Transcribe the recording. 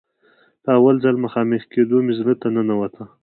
په اول ځل مخامخ کېدو مې زړه ته ننوته.